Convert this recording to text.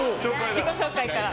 自己紹介から。